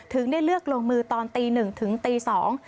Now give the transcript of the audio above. ได้เลือกลงมือตอนตีหนึ่งถึงตีสอง